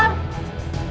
sepertinya itu alam